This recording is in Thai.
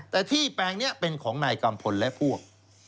แต่ที่แปลงนี้เป็นของนายกัมพลและพวก